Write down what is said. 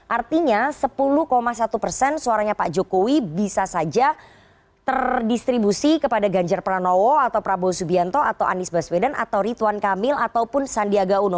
artinya sepuluh satu persen suaranya pak jokowi bisa saja terdistribusi kepada ganjar pranowo atau prabowo subianto atau anies baswedan atau rituan kamil ataupun sandiaga uno